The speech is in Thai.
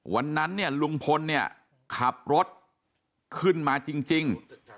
วันนั้นเนี่ยลุงพลเนี่ยขับรถขึ้นมาจริง